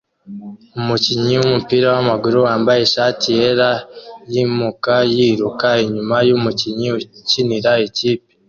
Umukinnyi wumupira wamaguru wambaye ishati yera yimuka yiruka inyuma yumukinnyi ukinira ikipe